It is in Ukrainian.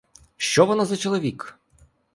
Що воно за чоловік?